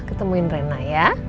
ketemuin rena ya